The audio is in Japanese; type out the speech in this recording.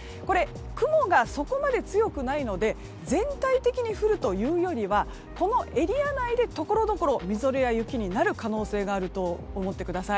雲がそこまで強くないので全体的に降るというよりはこのエリア内でところどころみぞれや雪になる可能性があると思ってください。